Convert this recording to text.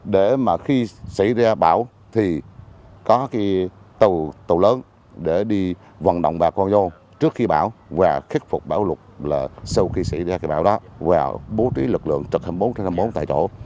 để mà khi xảy ra bão thì có cái tàu lớn để đi vận động bà con vô trước khi bão và khắc phục bão lụt là sau khi xảy ra cái bão đó vào bố trí lực lượng trực hai mươi bốn trên hai mươi bốn tại chỗ